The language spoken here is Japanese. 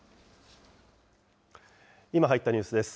今入ったニュースです。